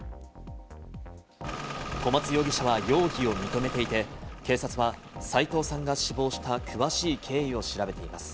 小松容疑者は容疑を認めていて、警察は斎藤さんが死亡した詳しい経緯を調べています。